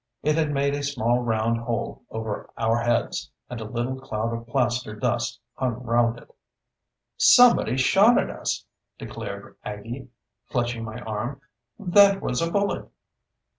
It had made a small round hole over our heads, and a little cloud of plaster dust hung round it. "Somebody shot at us!" declared Aggie, clutching my arm. "That was a bullet!"